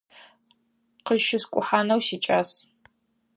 Къыщыскӏухьанэу сикӏас.